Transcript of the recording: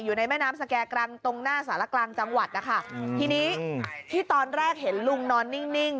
อยู่ในแม่น้ำสแก่กรังตรงหน้าสารกลางจังหวัดนะคะทีนี้ที่ตอนแรกเห็นลุงนอนนิ่ง